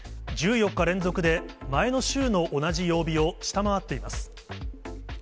１４日連続で前の週の同じ曜日を下回っています。